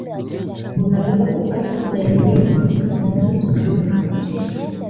unaweza kupatwa na dalili nyingine zitokanazo na homa hizi